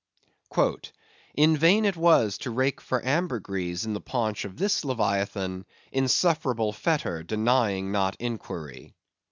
"In vain it was to rake for Ambergriese in the paunch of this Leviathan, insufferable fetor denying not inquiry."